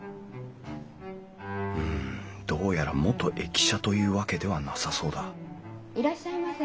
うんどうやら元駅舎というわけではなさそうだいらっしゃいませ。